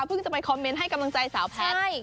จะไปคอมเมนต์ให้กำลังใจสาวแพทย์